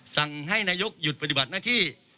สั่งให้นายกหยุดปฏิบัติหน้าที่